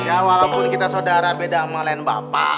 ya walaupun kita saudara beda sama lain bapak